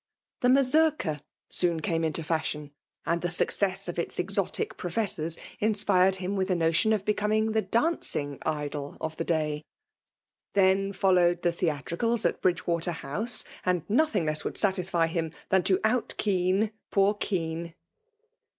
The Mazurlcft MOti aetme into fkshion ; and the success of its ^l^tic prc^t^ssors inspired him >vith the notion ^f booming the 4ancing idol of the day. T^en fifllowed the theatricals at Bridgewater* House; and nothing less would satisfy him "Ihtm to ont Kean poor Kean